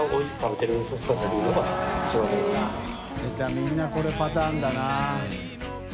みんなこのパターンだな。